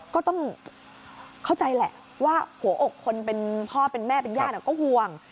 ก็ต้องเข้าใจแหละว่าหัวอกคนเป็นพ่อเป็นแม่เป็นญาติก็ห่วง